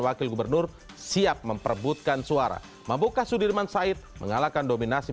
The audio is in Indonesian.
wakil gubernur siap memperbutkan suara mampukah sudirman said mengalahkan dominasi